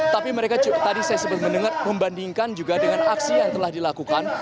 tapi mereka tadi saya sempat mendengar membandingkan juga dengan aksi yang telah dilakukan